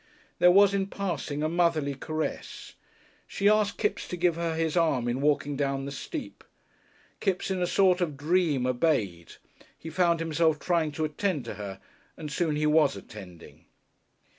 There was, in passing, a motherly caress. She asked Kipps to give her his arm in walking down the steep. Kipps in a sort of dream obeyed. He found himself trying to attend to her, and soon he was attending.